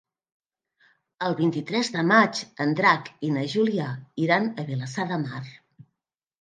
El vint-i-tres de maig en Drac i na Júlia iran a Vilassar de Mar.